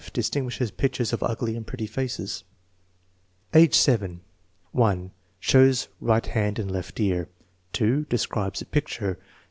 Distinguishes pictures of ugly and prclLy faces. A(jc 7: I. Shows right hand and left ear. 1 2. Describes a picture.